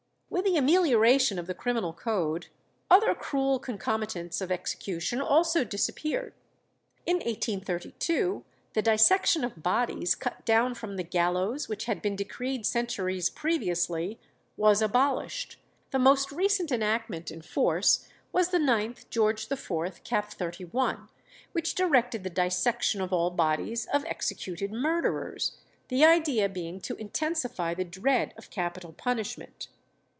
With the amelioration of the criminal code, other cruel concomitants of execution also disappeared. In 1832 the dissection of bodies cut down from the gallows, which had been decreed centuries previously, was abolished; the most recent enactment in force was the 9th Geo. IV. cap. 31, which directed the dissection of all bodies of executed murderers, the idea being to intensify the dread of capital punishment.